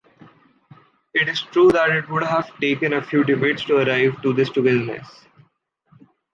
It is true that it would have taken a few debates to arrive to this togetherness.